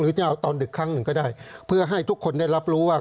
จะเอาตอนดึกครั้งหนึ่งก็ได้เพื่อให้ทุกคนได้รับรู้ว่า